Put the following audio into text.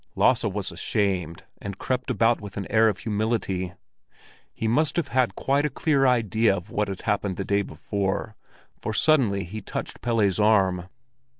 Lasse was ashamed and crept about with an air of humility. He must have had quite a clear idea of what had happened the day before, for suddenly he touched Pelle's arm.